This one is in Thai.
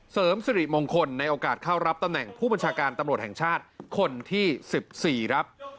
เสริมสิริมงคลในโอกาสเข้ารับตำแหน่งผู้บัญชาการตำรวจแห่งชาติคนที่๑๔ครับ